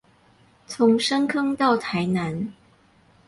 從深坑到台南